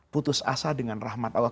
putus asa dengan rahmat allah